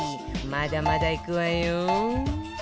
まだまだいくわよ